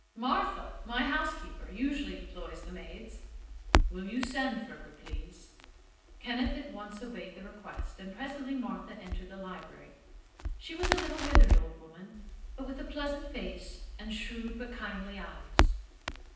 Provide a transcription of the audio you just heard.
"Martha, my housekeeper, usually employs the maids." "Will you send for her, please?" Kenneth at once obeyed the request, and presently Martha entered the library. She was a little, withered old woman, but with a pleasant face and shrewd but kindly eyes.